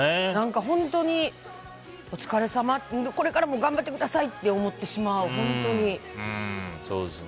本当にお疲れさまこれからも頑張ってくださいと思ってしまう、本当に。